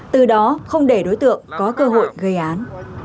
từ đó không để đối tượng có cơ hội gây án